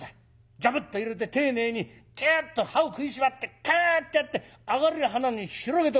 ジャブッと入れて丁寧にキュッと歯を食いしばってクーッてやって上がりはなに広げとく。